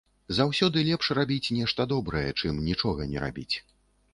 Заўсёды лепш рабіць нешта добрае, чым нічога не рабіць.